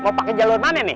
mau pake jalur mana nih